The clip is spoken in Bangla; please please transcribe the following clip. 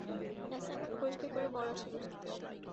অ্যাসাইনমেন্টে পরিষ্কার করে বলা ছিল।